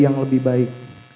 yang lebih baik